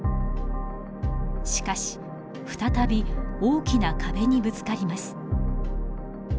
しかし再び大きな壁にぶつかります。